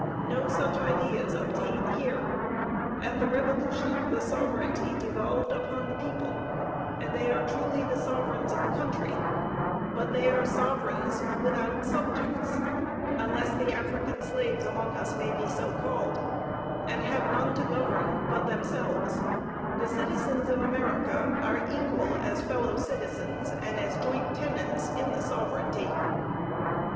No such ideas obtain here. At the revolution the sovereignty devolved on the people; and they are truly the sovereigns of the country, but they are sovereigns without subjects (unless the African slaves among us may be so called), and have none to govern but themselves; the citizens of America are equal as fellow citizens, and as joint tenants in the sovereignty."